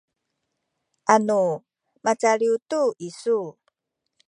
anu macaliw tu isu